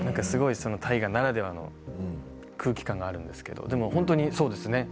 大河ならではの雰囲気感があるんですけど本当にそうですね。